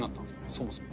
そもそも。